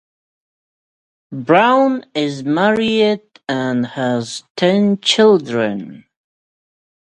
Brown is married and has ten children.